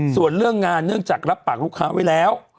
ส่วนเรื่องงานเนื่องจากรับปากลูกค้าไว้แล้ว